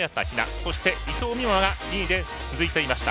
そして、伊藤美誠は２位で続いていました。